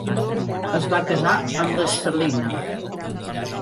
Es va casar amb Lescelina.